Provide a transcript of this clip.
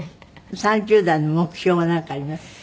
３０代の目標は何かあります？